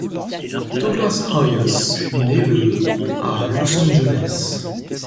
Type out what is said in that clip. Douglas Heyes naît le à Los Angeles.